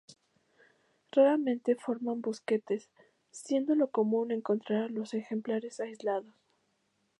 Raramente forman bosquetes, siendo lo común encontrar a los ejemplares aislados.